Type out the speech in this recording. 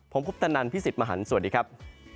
ผมคุปตนันพี่สิทธิ์มหันฯสวัสดีครับ